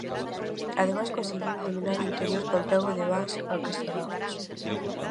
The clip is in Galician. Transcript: Ademais conseguiu iluminar o interior co emprego de vans acristalados.